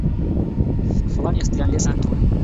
فڵان ئێستریان لێ ساندووە